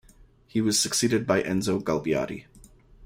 He was succeeded by Enzo Galbiati.